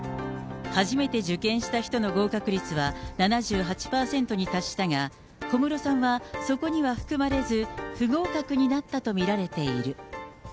初めて受験した人の合格率は７８％に達したが、小室さんはそこには含まれず、不合格になったと見られている。